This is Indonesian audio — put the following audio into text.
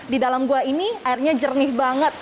di dalam gua ini airnya jernih banget